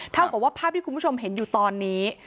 เท่ากับว่าภาพที่คุณผู้ชมเห็นอยู่ตอนนี้